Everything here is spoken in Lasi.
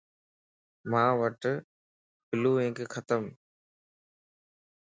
مان وٽ بلوانڪ ختمَ